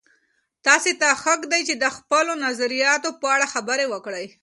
تاسې ته حق دی چې د خپلو نظریاتو په اړه خبرې وکړئ.